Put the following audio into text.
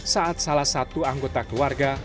saat salah satu anggota keluarga